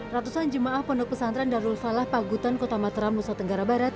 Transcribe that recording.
ratusan jemaah pondok pesantren darul salah pagutan kota matram nusa tenggara barat